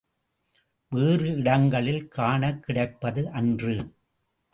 வேறு இடங்களில் காணக் கிடைப்பது அன்று.